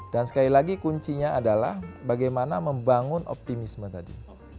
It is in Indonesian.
dan sekali lagi kuncinya adalah bagaimana membangun optimisme tadi